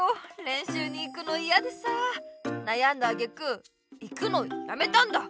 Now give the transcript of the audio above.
れんしゅうに行くのイヤでさあなやんだあげく行くのやめたんだ。